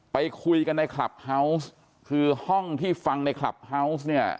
ไปคุยกันในคลับเฮาวส์คือห้องที่ฟังในคลับเฮาวส์เนี่ย